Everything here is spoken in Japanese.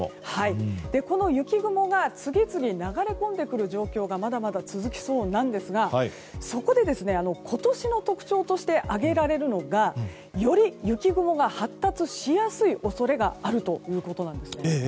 この雪雲が次々流れ込んでくる状況がまだまだ続きそうなんですがそこで、今年の特徴として挙げられるのがより雪雲が発達しやすい恐れがあるということなんですね。